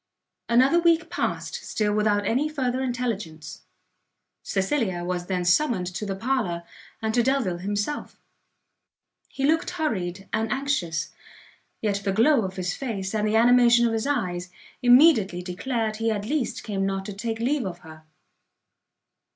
Another week past still without any further intelligence. Cecilia was then summoned to the parlour, and to Delvile himself. He looked hurried and anxious; yet the glow of his face, and the animation of his eyes, immediately declared he at least came not to take leave of her.